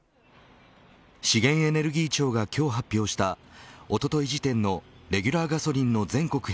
資源エネルギー庁が今日発表したおととい時点のレギュラーガソリンの全国